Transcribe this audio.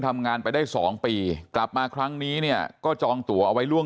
ทำงานไปได้สองปีกลับมาครั้งนี้เนี่ยก็จองตัวเอาไว้ล่วง